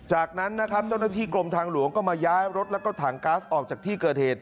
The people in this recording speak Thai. จากนั้นนะครับเจ้าหน้าที่กรมทางหลวงก็มาย้ายรถแล้วก็ถังก๊าซออกจากที่เกิดเหตุ